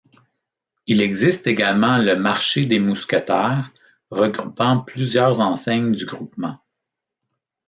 Il existe également Le Marché des Mousquetaires, regroupant plusieurs enseignes du groupement.